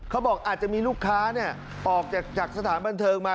เขาบอกอาจจะมีลูกค้าออกจากสถานบันเทิงมา